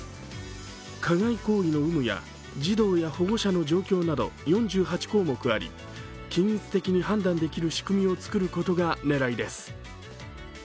加害行為の有無や児童や保護者の状況など４８項目あり均一的に判断できる仕組みをつくることが狙いです。